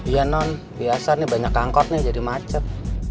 iya non biasanya banyak kangkot nih jadi macet